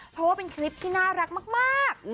เพราะว่าเป็นคลิปที่น่ารักมาก